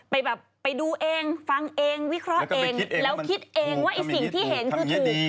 ไปแบบไปดูเองฟังเองวิเคราะห์เองแล้วคิดเองว่าไอ้สิ่งที่เห็นคือถูก